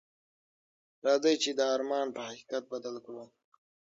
راځئ چې دا ارمان په حقیقت بدل کړو.